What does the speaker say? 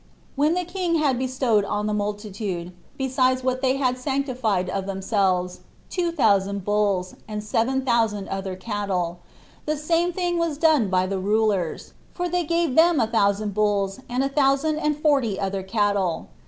When the king had bestowed on the multitude, besides what they sanctified of themselves, two thousand bulls, and seven thousand other cattle, the same thing was done by the rulers; for they gave them a thousand bulls, and a thousand and forty other cattle.